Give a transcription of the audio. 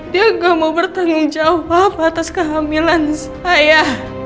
dia gak mau bertanggung jawab atas kehamilan saya